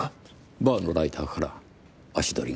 バーのライターから足取りが？